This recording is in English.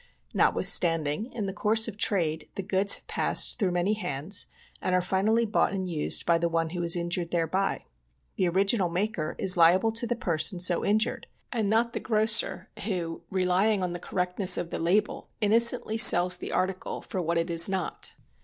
Notwithstanding, in the <30urse of trade, the goods have passed through many hands and are finally bought and used by one who is injured thereby. The original maker is liable to the person so in jured, and not the grocer who, relying on the correctness of the label, innocently sells the article for what it is not.